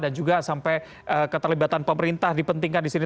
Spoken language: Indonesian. dan juga sampai keterlibatan pemerintah dipentingkan di sini